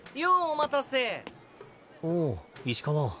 おお石川。